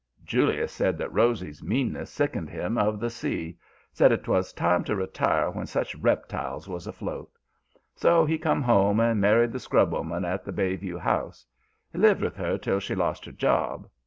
"Julius said that Rosy's meanness sickened him of the sea. Said 'twas time to retire when such reptiles was afloat. So he come home and married the scrub woman at the Bay View House. He lived with her till she lost her job.